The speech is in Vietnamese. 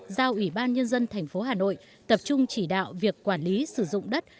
giao ủy ban nhân dân thành phố hà nội tập trung chỉ đạo việc quản lý sử dụng đất